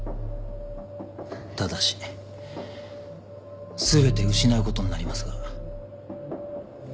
ただし全て失うことになりますが。